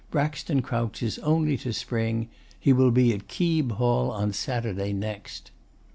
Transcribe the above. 'Braxton crouches only to spring. He will be at Keeb Hall on Saturday next.